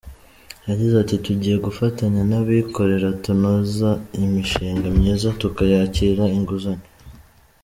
Yagize ati “Tugiye gufatanya n’abikorera tunoza imishinga myiza tukayakira inguzanyo.